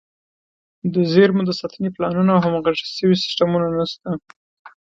د زیرمو د ساتنې پلانونه او همغږي شوي سیستمونه نشته.